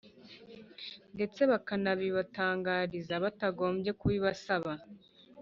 ndetse bakanabibatangariza batagombye kubibasaba.